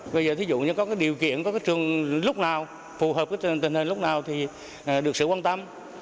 bây giờ thí dụ như có điều kiện có cái trường lúc nào phù hợp với tình hình lúc nào thì được sự quan tâm